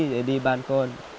để đi bán con